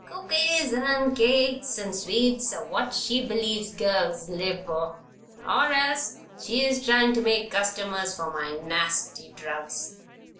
Cookies and cakes and sweets are what she believes girls live for; or else she is trying to make customers for my nasty drugs."